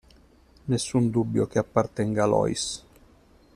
Nessun dubbio che appartenga a Lois!